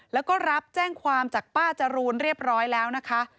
แล้วก็รับแจ้งความจากป้าจรูนเรียบร้อยแล้วนะคะ